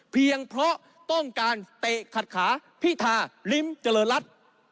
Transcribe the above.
เพียงเพราะต้องการเตะขัดขาพิธาลิ้มเจริญรัฐ